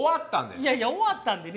いやいや「終わったんでね」